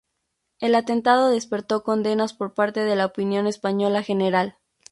El atentado despertó condenas por parte de la opinión española general.